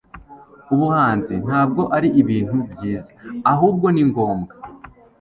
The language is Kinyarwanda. Ubuhanzi ntabwo ari ibintu byiza, ahubwo ni ngombwa.